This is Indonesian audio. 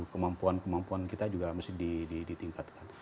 kemampuan kemampuan kita juga mesti ditingkatkan